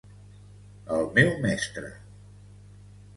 El meu mestre.